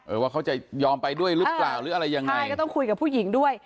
ว่าเขาจะยอมไปด้วยหรือเปล่าหรืออะไรยังไงใช่ก็ต้องคุยกับผู้หญิงด้วย